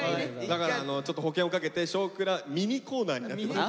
だからちょっと保険をかけて「少クラ」ミニコーナーになってます。